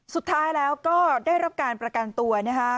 สุดท้ายแล้วก็ได้รับการประกันตัวนะคะ